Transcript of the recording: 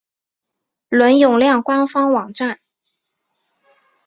伦永亮官方网站